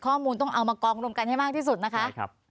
ข้อมูลต้องเอามากองรวมกันให้มากที่สุดนะคะ